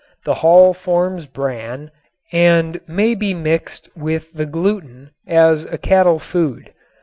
The hull forms bran and may be mixed with the gluten as a cattle food.